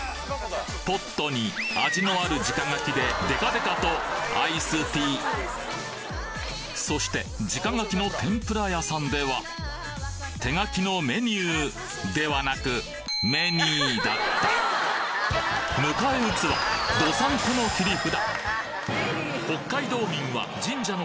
ポットに味のある直書きでデカデカとアイスティそして直書きのてんぷら屋さんでは手書きのメニューではなくメニーだった迎え撃つは道産子の切り札